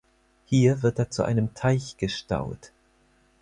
Hier wird er zu einem Teich gestaut.